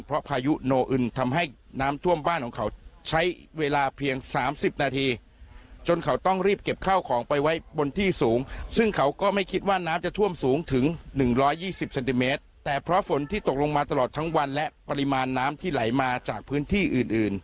๑๒๐เซนติเมตรแต่เพราะฝนที่ตกลงมาตลอดทั้งวันและปริมาณน้ำที่ไหลมาจากพื้นที่อื่น